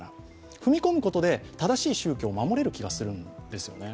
踏み込むことで正しい宗教を守れる気がするんですよね。